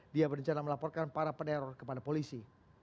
dia berencana melaporkan para peneror kepada polisi